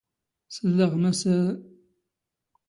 ⵙⵍⵍⴰⵖ ⵎⴰⵙ...